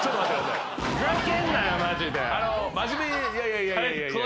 いやいや。